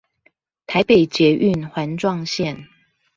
台北捷運環狀線